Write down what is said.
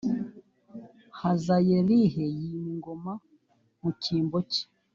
hazayelih yima ingoma mu cyimbo cye